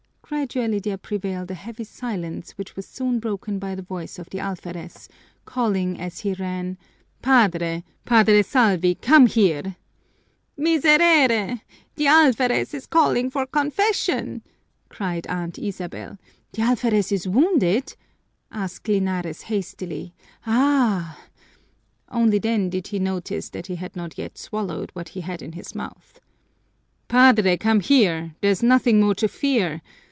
_" Gradually there prevailed a heavy silence which was soon broken by the voice of the alferez, calling as he ran: "Padre, Padre Salvi, come here!" "Miserere! The alferez is calling for confession," cried Aunt Isabel. "The alferez is wounded?" asked Linares hastily. "Ah!!!" Only then did he notice that he had not yet swallowed what he had in his mouth. "Padre, come here! There's nothing more to fear!"